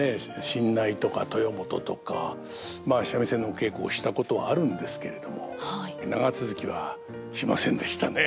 新内とか豊本とかまあ三味線のお稽古をしたことはあるんですけれども長続きはしませんでしたね。